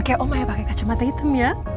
kayak oma yang pakai kacamata hitam ya